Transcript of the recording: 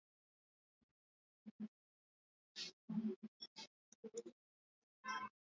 Hii itakuwa mara ya pili kwa Bwana Amos Makalla kuhudumu kama Mkuu wa mkoa